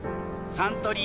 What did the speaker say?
サントリー